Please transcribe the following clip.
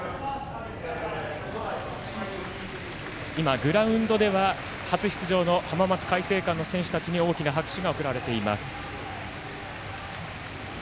今、グラウンドでは初出場の浜松開誠館の選手たちに大きな拍手が送られています。